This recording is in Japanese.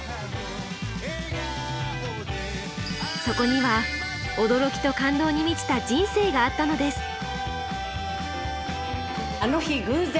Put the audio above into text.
そこには驚きと感動に満ちた人生があったのです。